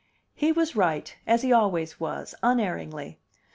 He was right, as he always was, unerringly.